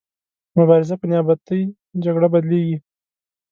مبارزه په نیابتي جګړه بدلیږي.